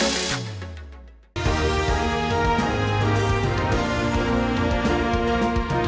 dan saling sehat